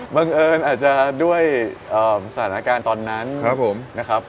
บังเอิญอาจจะด้วยสถานการณ์ตอนนั้นครับผมนะครับ